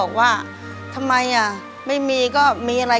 ขอบคุณครับ